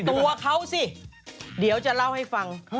ตัวเขาสิเดี๋ยวจะเล่าให้ฟัง